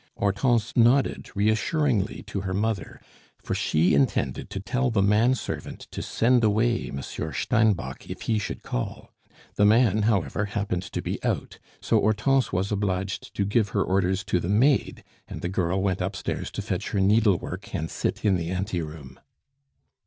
Hortense nodded reassuringly to her mother, for she intended to tell the man servant to send away Monsieur Steinbock if he should call; the man, however, happened to be out, so Hortense was obliged to give her orders to the maid, and the girl went upstairs to fetch her needlework and sit in the ante room.